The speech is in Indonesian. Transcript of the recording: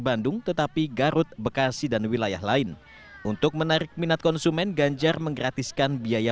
bandung tetapi garut bekasi dan wilayah lain untuk menarik minat konsumen ganjar menggratiskan biaya